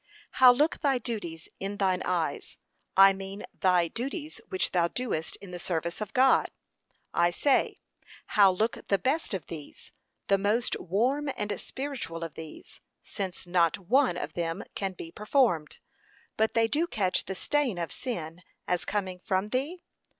How look thy duties in thine eyes, I mean thy duties which thou doest in the service of God? I say, how look the best of these, the most warm and spiritual of these, since not one of them can be performed, but they do catch the stain of sin, as coming from thee?